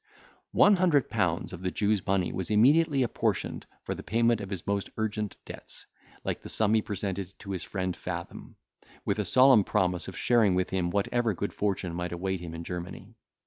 One hundred pounds of the Jew's money was immediately appropriated for the payment of his most urgent debts; the like sum he presented to his friend Fathom, with a solemn promise of sharing with him whatever good fortune might await him in Germany.